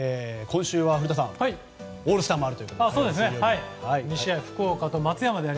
今週は古田さんオールスターもあるということで。